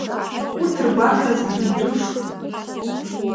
Урҭ ргәаҭара зегьы ирылшоит.